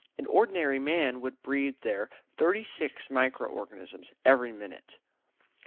An ordinary man would breathe there thirty six micro organisms every minute.